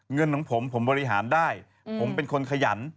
เงินของผมผมบริหารได้ผมเป็นคนขยัน